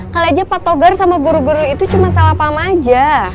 kali aja pak toger sama guru guru itu cuma salah paham aja